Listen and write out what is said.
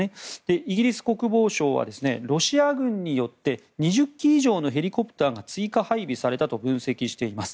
イギリス国防省はロシア軍によって２０機以上のヘリコプターが追加配備されたと分析しています。